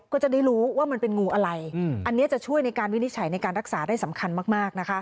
ก็จะได้รู้ว่ามันเป็นงูอะไรอันนี้จะช่วยในการวินิจฉัยในการรักษาได้สำคัญมากนะคะ